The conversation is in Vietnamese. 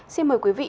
xin mời quý vị